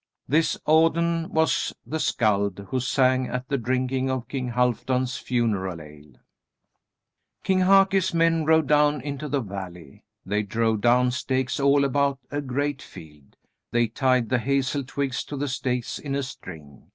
This Audun was the skald who sang at the drinking of King Halfdan's funeral ale. King Haki's men rode down into the valley. They drove down stakes all about a great field. They tied the hazel twigs to the stakes in a string.